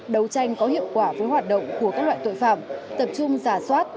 đấu tranh có hiệu quả với hoạt động của các loại tội phạm tập trung giả soát